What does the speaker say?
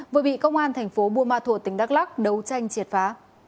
vừa bị công an thành phố buôn ma thuột tỉnh đắk lắc đấu tranh triệt phá